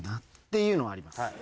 っていうのはあります。